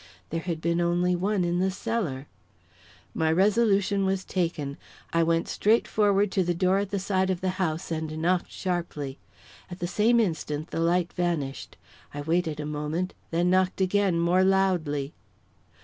There had been only one in the cellar. My resolution was taken. I went straight forward to the door at the side of the house and knocked sharply. At the same instant, the light vanished. I waited a moment, then knocked again, more loudly.